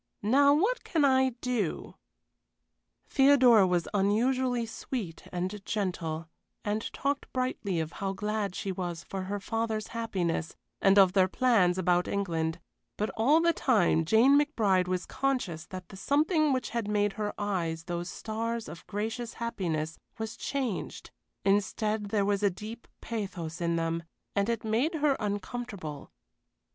"Now what can I do?" Theodora was unusually sweet and gentle, and talked brightly of how glad she was for her father's happiness, and of their plans about England; but all the time Jane McBride was conscious that the something which had made her eyes those stars of gracious happiness was changed instead there was a deep pathos in them, and it made her uncomfortable.